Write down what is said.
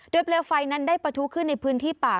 โดยเปลวไฟนั้นได้ประทุขึ้นในพื้นที่ป่า